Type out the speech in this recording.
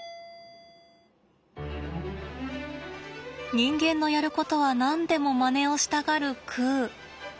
人間のやることは何でもまねをしたがるくう。